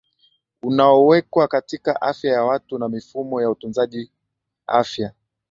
unaowekwa katika afya ya watu na mifumo ya utunzaji afya